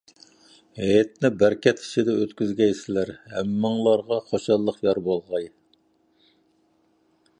ھېيتنى بەرىكەت ئىچىدە ئۆتكۈزگەيسىلەر، ھەممىڭلارغا خۇشاللىق يار بولغاي.